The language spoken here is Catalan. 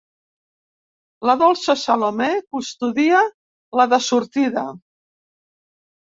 La dolça Salomé custodia la de sortida.